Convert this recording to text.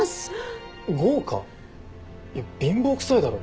いや貧乏くさいだろ。